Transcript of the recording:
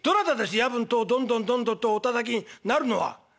夜分戸をどんどんどんどんとおたたきになるのは」。